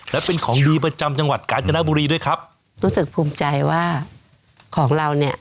และเป็นของดีประจำจังหวัดกาญจนบุรีด้วยครับรู้สึกภูมิใจว่าของเราเนี่ย